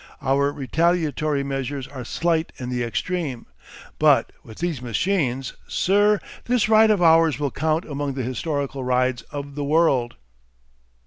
Our retaliatory measures are slight in the extreme. But with these machines Sir, this ride of ours will count among the historical rides of the world!"